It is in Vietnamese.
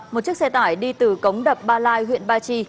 một chiếc xe tải đi từ cống đập ba lai huyện ba chi